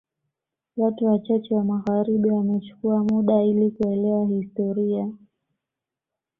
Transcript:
Watu wachache wa magharibi wamechukua muda ili kuelewa historia